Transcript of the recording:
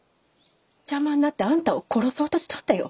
邪魔になってあんたを殺そうとしたんだよ。